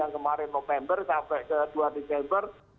yang kemarin november sampai ke dua desember